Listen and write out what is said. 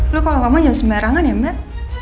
lu kalau kamu nyus merangan ya mbak